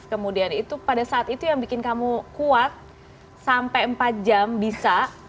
kemudian itu pada saat itu yang bikin kamu kuat sampai empat jam bisa